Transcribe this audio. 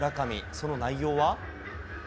その内容は？